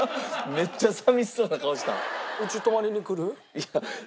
めっちゃ寂しそうな顔した。